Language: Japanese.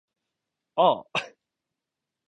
ああ